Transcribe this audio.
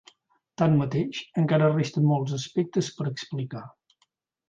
Tanmateix, encara resten molts d'aspectes per explicar.